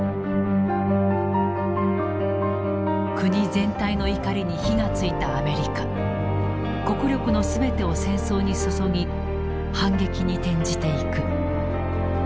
国全体の怒りに火がついたアメリカ国力の全てを戦争に注ぎ反撃に転じていく。